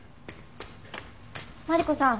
マリコさん